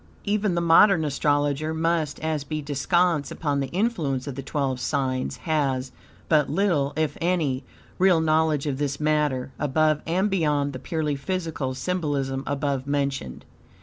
Even the modern astrologer, much as be descants upon the influence of the twelve signs, has but little, if any, real knowledge of this matter above and beyond the purely physical symbolism above mentioned.